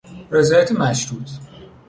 رضایت مشروط